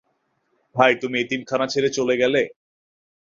তাই তুমি এতিমখানা ছেড়ে চলে গেলে।